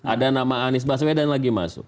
ada nama anies baswedan lagi masuk